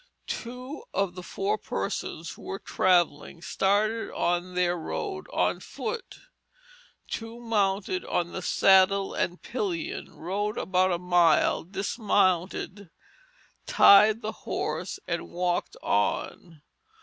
Two of the four persons who were travelling started on their road on foot; two mounted on the saddle and pillion, rode about a mile, dismounted, tied the horse, and walked on.